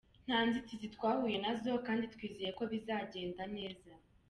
Nta nzitizi twahuye nazo kandi twizeye ko bizagenda neza.